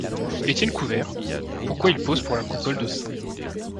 Etienne Couvert, pourquoi il pose pour la coupole de St.